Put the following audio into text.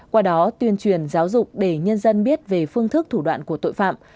qua đó tuyên truyền giáo dục để nhân dân biết về phương thức thủ đoạn của tội phạm